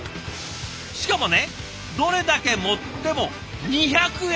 しかもねどれだけ盛っても２００円！